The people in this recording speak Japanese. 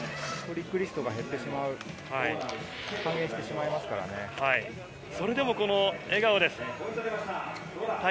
トリックリストが減ってしまそれでも笑顔です。